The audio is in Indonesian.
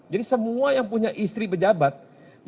jadi semua yang punya istri berjabat yang tadinya suka main soal